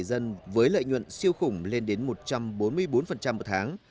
dân với lợi nhuận siêu khủng lên đến một trăm bốn mươi bốn một tháng